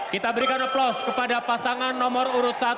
kita berikan aplaus kepada pasangan nomor urut satu